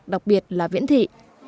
đặc biệt là viễn thị